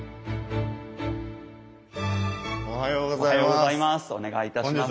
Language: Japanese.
おはようございます。